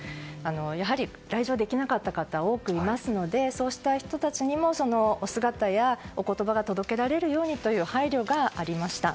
やはり来場できなかった方が多くいますのでそうした人たちにもお姿やお言葉が届けられるようにという配慮がありました。